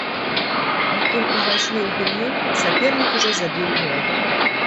Пакуль увайшлі ў гульню, сапернік ужо забіў гол.